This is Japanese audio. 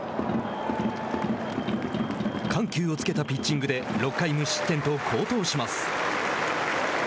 緩急をつけたピッチングで６回無失点と好投します。